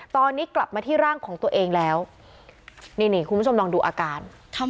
ตอนนี้กลับมาที่ร่างของตัวเองแล้วนี่นี่คุณผู้ชมลองดูอาการ